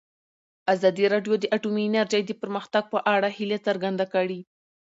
ازادي راډیو د اټومي انرژي د پرمختګ په اړه هیله څرګنده کړې.